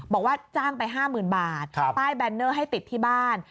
บอกว่าจ้างไป๕๐๐๐บาทป้ายแบนเนอร์ให้ติดที่บ้าน